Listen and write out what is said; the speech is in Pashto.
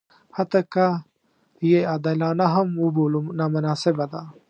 حتی که یې عادلانه هم وبولو نامناسبه ده.